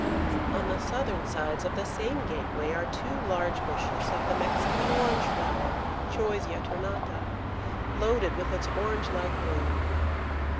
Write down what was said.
On the southern sides of the same gateway are two large bushes of the Mexican Orange flower (Choisya ternata), loaded with its orange like bloom.